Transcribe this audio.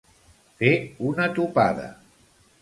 Fer una topada.